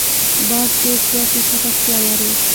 باز ډېر زیاتې چټکتیا لري